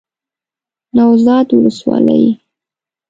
نوزاد ولسوالۍ